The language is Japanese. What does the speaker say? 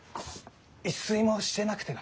一睡もしてなくてな。